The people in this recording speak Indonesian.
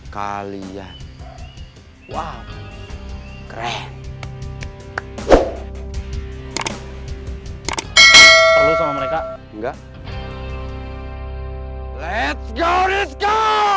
kalian wow keren perlu sama mereka enggak let's go let's go